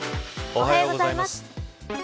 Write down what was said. おはようございます。